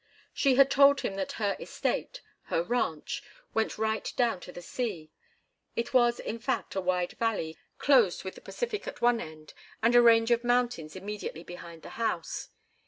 She had told him that her estate—her "ranch"—went right down to the sea; it was, in fact, a wide valley, closed with the Pacific at one end, and a range of mountains immediately behind the house.